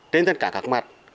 trên tất cả các mặt